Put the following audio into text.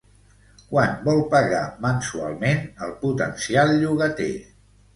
Quant vol pagar mensualment, el potencial llogater?